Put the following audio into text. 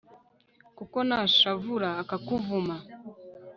kuko nashavura akakuvuma